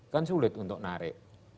kan sulit untuk narik